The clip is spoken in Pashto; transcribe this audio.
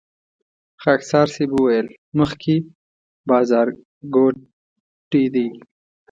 خاکسار صیب وويل مخکې بازارګوټی دی.